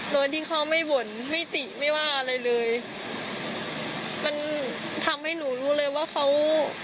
โดยที่เขาไม่บ่นไม่ติไม่ว่าอะไรเลยมันทำให้หนูรู้เลยว่าเขา